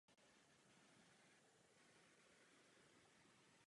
Zamrzá v listopadu a rozmrzá na konci dubna až v první polovině května.